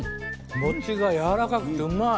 餅がやわらかくてうまい！